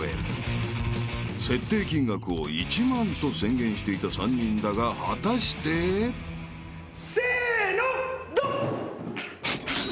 ［設定金額を１万と宣言していた３人だが果たして］せのドン！